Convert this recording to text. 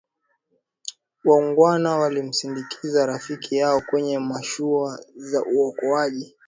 waungwana walimsindikiza rafiki yao kwenye mashua za uokoaji